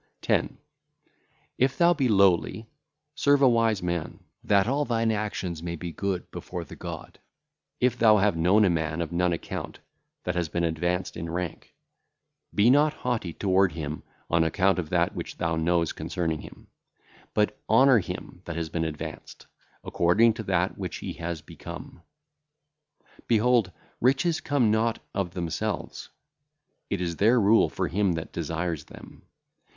10. If thou be lowly, serve a wise man, that all thine actions may be good before the God. If thou have known a man of none account that hath been advanced in rank, be not haughty toward him on account of that which thou knowest concerning him; but honour him that hath been advanced, according to that which he hath become. Behold, riches come not of themselves; it is their rule for him that desireth them.